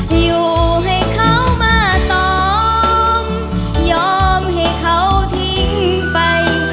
อยู่ให้เขามาตอมยอมให้เขาทิ้งไป